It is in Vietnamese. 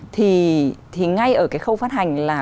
thì ngay ở cái khâu phát hành là